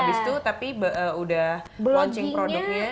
habis itu tapi udah launching produknya